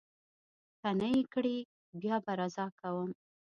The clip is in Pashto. که نه یې کړي، بیا به رضا کوم.